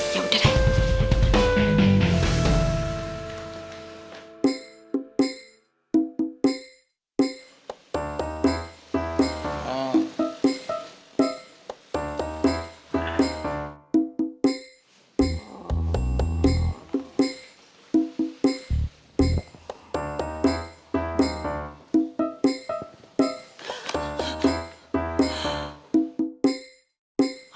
ya udah deh